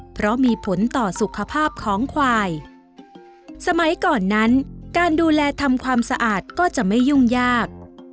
เพราะมีผลต่อสุขภาพของควายสมัยก่อนนั้นการดูแลทำความสะอาดก็จะไม่ยุ่งยาก